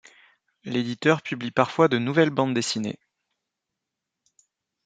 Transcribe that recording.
L'éditeur publie parfois de nouvelles bandes dessinées.